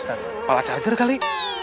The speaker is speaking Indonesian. kepala charger kali